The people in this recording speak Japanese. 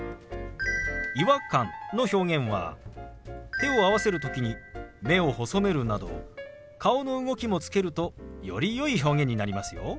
「違和感」の表現は手を合わせる時に目を細めるなど顔の動きもつけるとよりよい表現になりますよ。